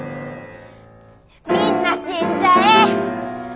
みんな死んじゃえ！